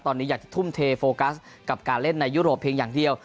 ตอนนี้อยากจะทุ่มเทโฟกัสกับการเล่นในยุโรปเพียงอย่างเดียว